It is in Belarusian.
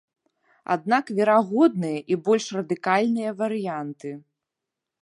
Аднак верагодныя і больш радыкальныя варыянты.